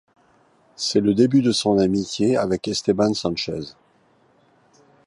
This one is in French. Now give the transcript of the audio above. C'est le début de son amitié avec Esteban Sánchez.